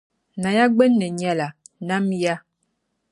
Naya gbinni nyɛla, “Nam ya”.